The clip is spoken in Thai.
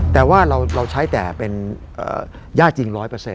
แต่ว่าเราใช้แต่เป็นญาติจริง๑๐๐